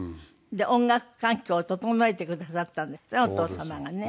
音楽環境を整えてくださったんですってねお父様がね。